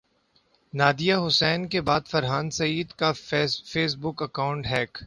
Nadia Hussain کے بعد فرحان سعید کا فیس بک اکانٹ ہیک